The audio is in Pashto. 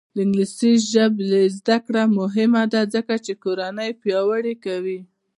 د انګلیسي ژبې زده کړه مهمه ده ځکه چې کورنۍ پیاوړې کوي.